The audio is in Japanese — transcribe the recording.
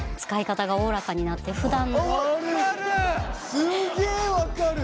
すげえ分かる。